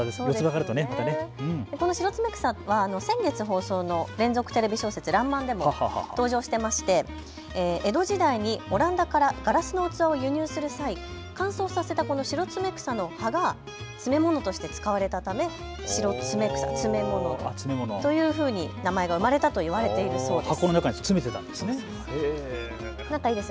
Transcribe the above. このシロツメクサは先月放送の連続テレビ小説、らんまんでも登場していまして江戸時代にオランダからガラスの器を輸入する際、乾燥させたシロツメクサの葉が詰め物として使われたためシロツメクサというふうに名前が生まれたというふうにいわれているそうです。